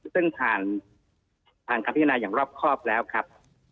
ซึ่งผ่านภารกรรมพิวนาอย่างรอบครอบแล้วครับ